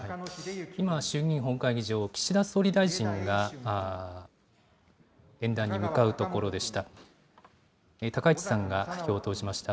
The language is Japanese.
今、衆議院本会議場、岸田総理大臣が演壇に向かうところでした。